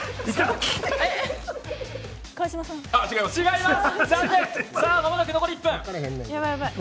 違います。